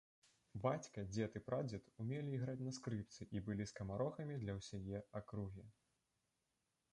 Бацька, дзед і прадзед умелі іграць на скрыпцы і былі скамарохамі для ўсяе акругі.